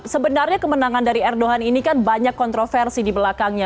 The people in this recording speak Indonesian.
sebenarnya kemenangan dari erdogan ini kan banyak kontroversi di belakangnya